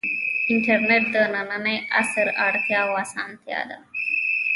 انټرنیټ د ننني عصر اړتیا او اسانتیا ده.